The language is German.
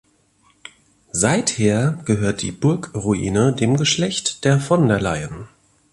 Seither gehört die Burgruine dem Geschlecht der von der Leyen.